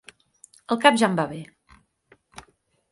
El cap ja em va bé.